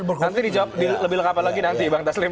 nanti dijawab lebih lengkap lagi nanti bang taslim